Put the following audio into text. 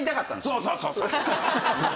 そうそうそうそう。